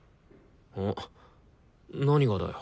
ん何がだよ？